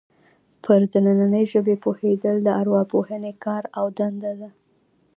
پر دنننۍ ژبې پوهېدل د ارواپوهنې کار او دنده ده